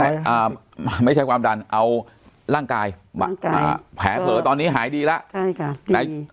เอ้าไม่ใช่ความดันเอาร่างกายแผลเผลอตอนนี้หายดีแล้ว